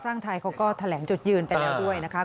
ไทยเขาก็แถลงจุดยืนไปแล้วด้วยนะคะ